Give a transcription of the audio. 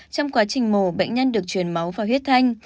trong quá trình mổ bệnh nhân được truyền máu vào huyết thanh